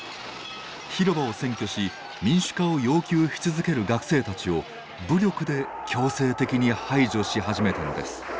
広場を占拠し民主化を要求し続ける学生たちを武力で強制的に排除し始めたのです。